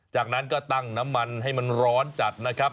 จากนั้นก็ตั้งน้ำมันให้มันร้อนจัดนะครับ